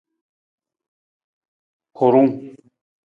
Hurung.